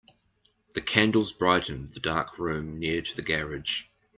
The candles brightened the dark room near to the garage.